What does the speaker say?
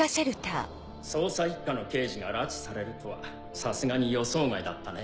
捜査一課の刑事が拉致されるとはさすがに予想外だったね。